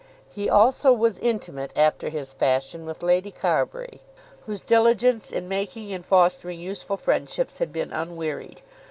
He also was intimate after his fashion with Lady Carbury, whose diligence in making and fostering useful friendships had been unwearied.